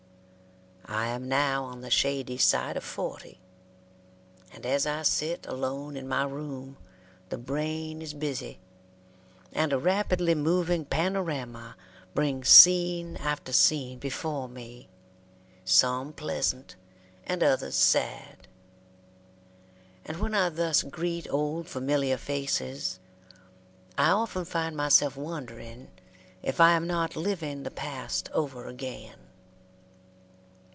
I am now on the shady side of forty, and as I sit alone in my room the brain is busy, and a rapidly moving panorama brings scene after scene before me, some pleasant and others sad; and when I thus greet old familiar faces, I often find myself wondering if I am not living the past over again.